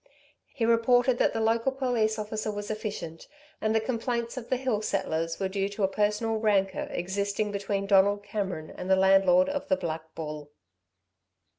He reported that the local police officer was efficient, and that complaints of the hill settlers were due to a personal rancour existing between Donald Cameron and the landlord of the Black Bull.